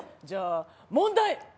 じゃあ問題！